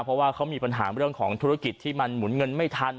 เพราะว่าเขามีปัญหาเรื่องของธุรกิจที่มันหมุนเงินไม่ทัน